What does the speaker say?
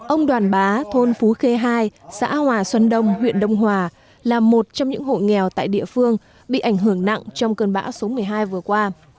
ông đoàn bá thôn phú khê hai xã hòa xuân đông huyện đông hòa là một trong những hộ nghèo tại địa phương bị ảnh hưởng nặng trong cơn bão số một mươi hai vừa qua